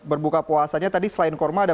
berbuka puasanya tadi selain kurma ada